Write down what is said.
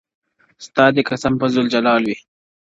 ستا دي قسم په ذوالجلال وي!!